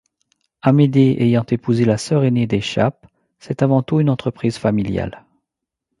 Amédée ayant épousé la sœur aînée des Chappe, c’est avant tout une entreprise familiale.